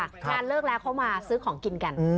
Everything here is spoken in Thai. งานเลิกแล้วเขามาซื้อของกินกัน